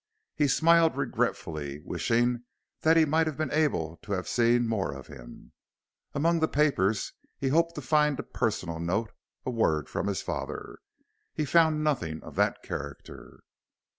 He smiled regretfully, wishing that he might have been able to have seen more of him. Among the papers he hoped to find a personal note a word from his father. He found nothing of that character.